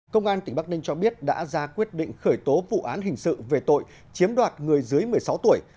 công an tỉnh bắc ninh cho biết đã ra quyết định khởi tố vụ án hình sự về tội chiếm đoạt người dưới một mươi sáu tuổi